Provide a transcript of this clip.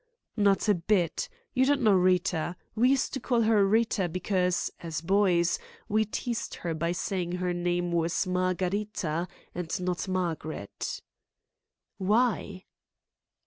"Not a bit. You don't know Rita. We used to call her Rita because, as boys, we teased her by saying her name was Margharita, and not Margaret" "Why?"